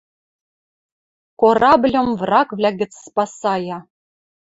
Корабльым врагвлӓ гӹц спасая.